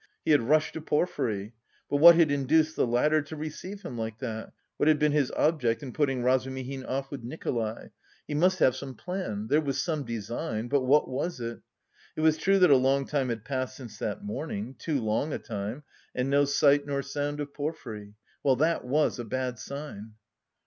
He had rushed to Porfiry.... But what had induced the latter to receive him like that? What had been his object in putting Razumihin off with Nikolay? He must have some plan; there was some design, but what was it? It was true that a long time had passed since that morning too long a time and no sight nor sound of Porfiry. Well, that was a bad sign...."